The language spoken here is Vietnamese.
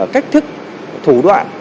cách thức thủ đoạn